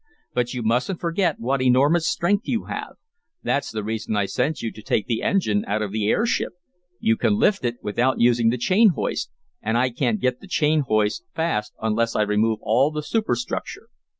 "But you musn't forget what enormous strength you have. That's the reason I sent you to take the engine out of the airship. You can lift it without using the chain hoist, and I can't get the chain hoist fast unless I remove all the superstructure.